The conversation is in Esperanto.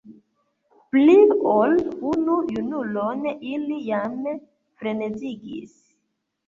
Pli ol unu junulon ili jam frenezigis.